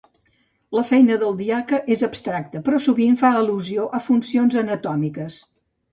La feina del diaca és abstracta, però sovint fa al·lusió a funcions anatòmiques.